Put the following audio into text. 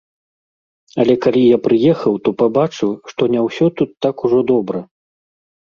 Але калі я прыехаў, то пабачыў, што не ўсё тут так ужо добра.